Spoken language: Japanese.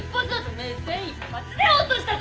目線一発で落としたぞ！